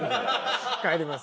帰ります。